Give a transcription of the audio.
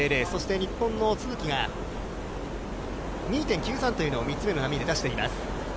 日本の都筑が２．９３というのを３つ目の波で出しています。